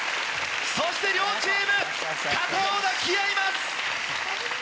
そして両チーム肩を抱き合います！